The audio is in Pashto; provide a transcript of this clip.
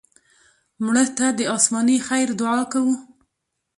مړه ته د آسماني خیر دعا کوو